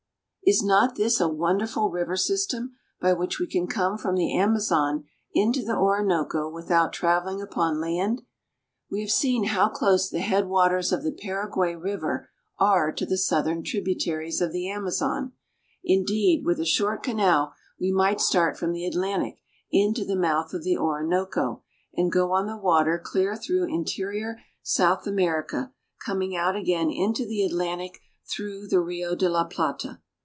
IS not this a wonderful river system by which we can come from the Amazon into the Orinoco without traveling upon land? We have seen how close the head waters of the Paraguay river are to the southern tribu taries of the Amazon. Indeed, with a short canal, we might start from the Atlantic into the mouth of the Ori noco, and go on the water clear through interior South America, coming out again into the Atlantic through the Rio de la Plata.